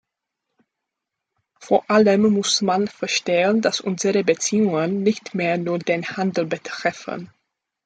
Vor allem muss man verstehen, dass unsere Beziehungen nicht mehr nur den Handel betreffen.